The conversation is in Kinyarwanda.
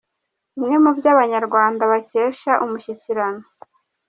Bimwe mu byo Abanyarwanda bakesha Umushyikirano.